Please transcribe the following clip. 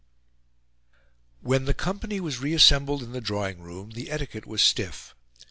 When the company was reassembled in the drawing room the etiquette was stiff.